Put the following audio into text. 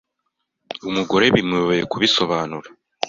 Umugore bimuyobeye kubisobanura